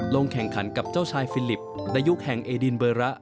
ลงแข่งขันกับเจ้าชายฟิลิปในยุคแห่งเอดินเบอร์ระ